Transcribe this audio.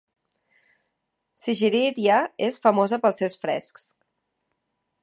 Sigirirya és famosa pels seus frescs.